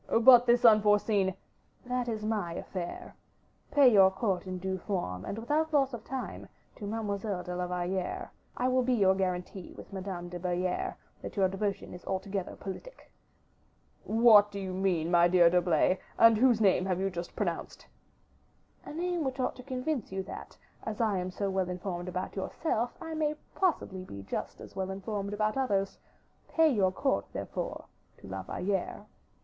"But this is unforeseen " "That is my affair. Pay your court in due form, and without loss of time, to Mademoiselle de la Valliere. I will be your guarantee with Madame de Belliere that your devotion is altogether politic." "What do you mean, my dear D'Herblay, and whose name have you just pronounced?" "A name which ought to convince you that, as I am so well informed about yourself, I may possibly be just as well informed about others. Pay your court, therefore, to La Valliere."